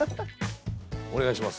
お願いします。